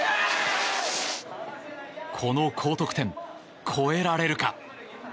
この高得点、超えられるか。